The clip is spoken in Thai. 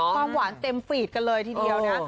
ความหวานเต็มฟีดกันเลยทีเดียวนะ